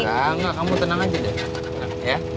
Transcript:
engga engga kamu tenang aja deh ya